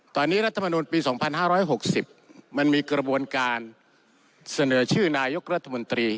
ตอนนี้รัฐมนตรีปีสองพันห้าร้อยหกสิบมันมีกระบวนการเสนอชื่อนายกรัฐมนตรี